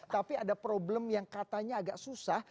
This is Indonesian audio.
tapi ada problem yang katanya agak susah